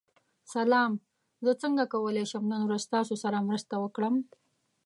سلام، زه څنګه کولی شم نن ورځ ستاسو سره مرسته وکړم؟